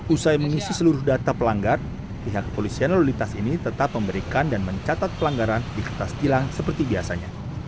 usai mengisi seluruh data pelanggar pihak kepolisian lalu lintas ini tetap memberikan dan mencatat pelanggaran di kertas tilang seperti biasanya